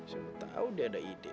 sudah tahu dia ada ide